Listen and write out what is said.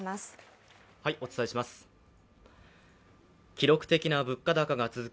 記録的な物価高が続く